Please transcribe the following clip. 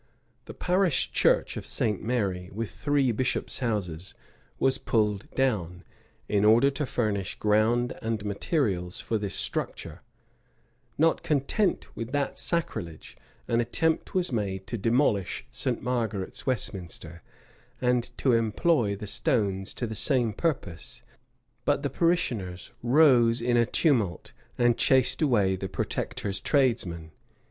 The parish church of St. Mary, with three bishops' houses, was pulled down, in order to furnish ground and materials for this structure: not content with that sacrilege, an attempt was made to demolish St. Margaret's Westminster, and to employ the stones to the same purpose but the parishioners rose in a tumult, and chased away the protector's tradesmen.